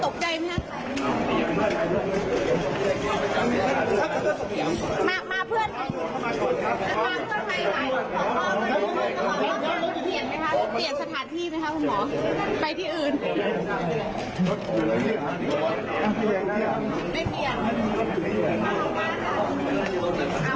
คุณหมอไปที่อื่น